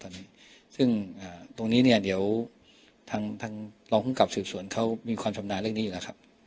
ตอนนี้ซึ่งตรงนี้เนี่ยเดี๋ยวทางทางรองภูมิกับสืบสวนเขามีความชำนาญเรื่องนี้อยู่แล้วครับ